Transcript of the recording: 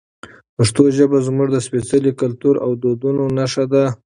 پښتو ژبه زموږ د سپېڅلي کلتور او دودونو نښه ده.